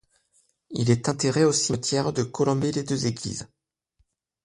Il est enterré au cimetière de Colombey les Deux Églises.